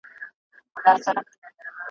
زمانې داسي مېړونه لږ لیدلي ,